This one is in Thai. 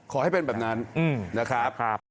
ขอให้เป็นแบบนั้นนะครับ